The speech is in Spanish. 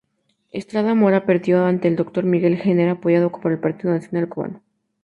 Estrada Mora perdió ante el Dr. Miguel Gener, apoyado por el Partido Nacional Cubano.